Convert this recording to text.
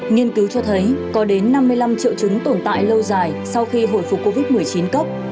nghiên cứu cho thấy có đến năm mươi năm triệu chứng tồn tại lâu dài sau khi hồi phục covid một mươi chín cấp